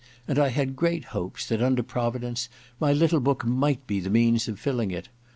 and I had great hopes that, under Providence, my little book might be the means of filling it.